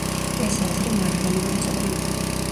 ეს აზრი მართლა მომეწონა.